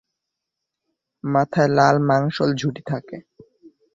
মাথায় লাল মাংসল ঝুঁটি থাকে।